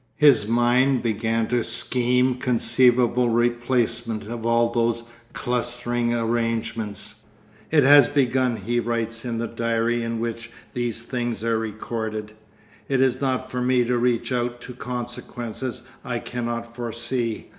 His mind began to scheme conceivable replacements of all those clustering arrangements.... 'It has begun,' he writes in the diary in which these things are recorded. 'It is not for me to reach out to consequences I cannot foresee.